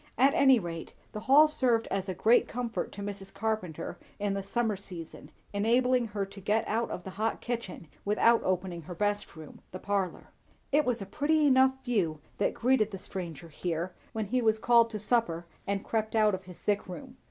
At any rate, the hall served as a great comfort to Mrs. Carpenter in the summer season, enabling her to get out of the hot kitchen, without opening her best room, the "parlour." It was a pretty enough view that greeted the stranger here, when he was called to supper and crept out of his sick room.